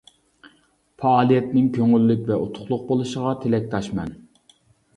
پائالىيەتنىڭ كۆڭۈللۈك ۋە ئۇتۇقلۇق بولۇشىغا تىلەكداشمەن.